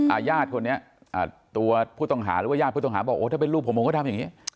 ญาติคนนี้อ่าตัวผู้ต้องหาหรือว่าญาติผู้ต้องหาบอกโอ้ถ้าเป็นลูกผมผมก็ทำอย่างนี้